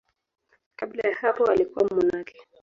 Kabla ya hapo alikuwa mmonaki.